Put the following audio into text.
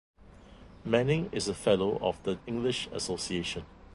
Manning is a Fellow of the English Association.